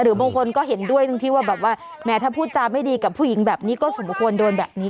บางคนก็เห็นด้วยทั้งที่ว่าแบบว่าแม้ถ้าพูดจาไม่ดีกับผู้หญิงแบบนี้ก็สมควรโดนแบบนี้